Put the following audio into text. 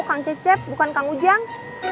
kang cecep bukan kang ujang